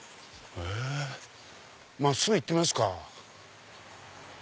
真っすぐ行ってみますか。